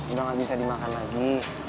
udah gak bisa dimakan lagi